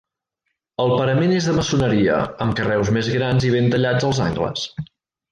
El parament és de maçoneria, amb carreus més grans i ben tallats als angles.